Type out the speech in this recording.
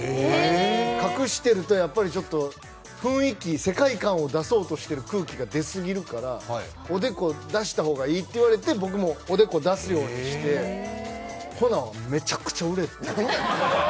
隠してると、雰囲気、世界観を出そうとしてる空気が出過ぎるからおデコを出した方がいいと言われて僕もおデコを出すようにしてほな、めちゃくちゃ売れて。